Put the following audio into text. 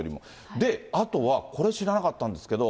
で、あとはこれ知らなかったんですけど。